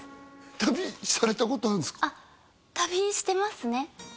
旅されたことあるんですか旅してますね